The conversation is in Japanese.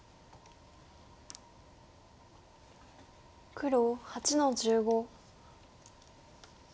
黒８の十五。